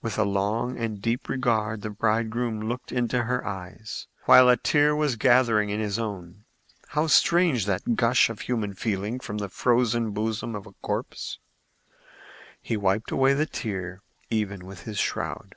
With a long and deep regard the bridegroom looked into her eyes, while a tear was gathering in his own. How strange that gush of human feeling from the frozen bosom of a corpse! He wiped away the tear, even with his shroud.